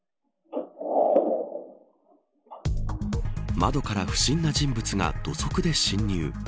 窓から不審な人物が土足で侵入。